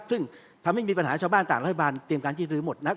ซึ่งทำให้มีปัญหาชาวบ้านต่างรัฐบาลเตรียมการยืดรื้อหมดนะครับ